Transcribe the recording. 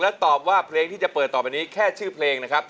แล้วตอบว่าเพลงที่จะเปิดต่อไปนี้แค่ชื่อเพลงนะครับ